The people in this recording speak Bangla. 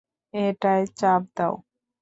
এটায় চাপ দাও।